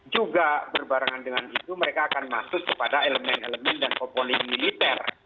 juga berbarengan dengan itu mereka akan masuk kepada elemen elemen dan oponi militer